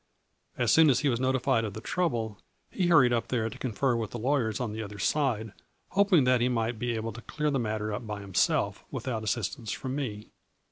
As soon as he was notified of the trouble he hurried up there, to confer with the lawyers on the other side, hoping that he might be able to clear the matter up by himself, without assistance from me.